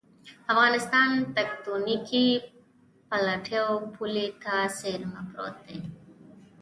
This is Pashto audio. افغانستان تکتونیکي پلیټو پولې ته څېرمه پروت دی